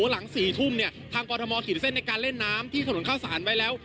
หลัง๔ทุ่มเนี่ยทางกรทมขีดเส้นในการเล่นน้ำที่ถนนข้าวสารไว้แล้ว